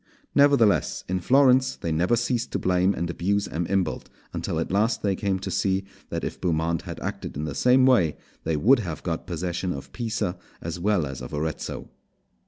Nevertheless, in Florence they never ceased to blame and abuse M. Imbalt, until at last they came to see that if Beaumont had acted in the same way, they would have got possession Of Pisa as well as of Arezzo.